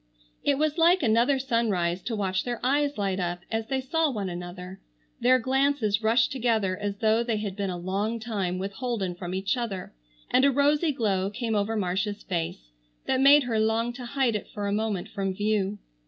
It was like another sunrise to watch their eyes light up as they saw one another. Their glances rushed together as though they had been a long time withholden from each other, and a rosy glow came over Marcia's face that made her long to hide it for a moment from view.